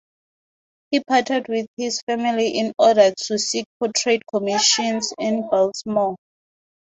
He parted with his family in order to seek portrait commissions in Baltimore.